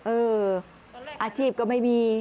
เอออาชีพก็ไม่มี